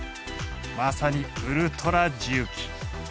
まさにウルトラ重機。